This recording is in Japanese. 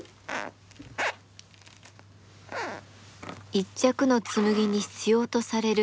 一着の紬に必要とされる